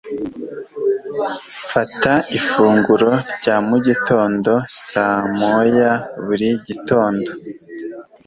Mfata ifunguro rya mu gitondo saa moya buri gitondo.